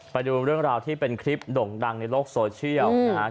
ไปดูเรื่องราวที่เป็นคลิปด่งดังในโลกโซเชียลนะครับ